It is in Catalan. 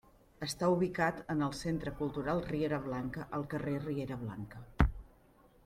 Està ubicat en el Centre Cultural Riera Blanca, al Carrer Riera Blanca.